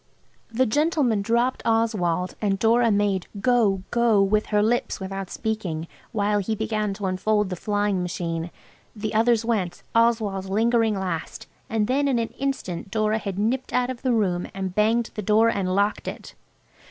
The gentleman dropped Oswald, and Dora made "Go! go!" with her lips without speaking, while he began to unfold the flying machine. We others went, Oswald lingering last, and then in an instant Dora had nipped out of the room and banged the door and locked it.